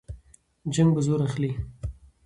جنګ به زور اخلي.